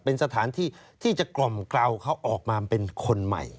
เป็นสถานที่ที่จะกล่อมกล่าวเขาออกมาเป็นคนใหม่